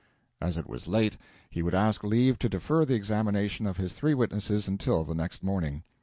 As it was late, he would ask leave to defer the examination of his three witnesses until the next morning.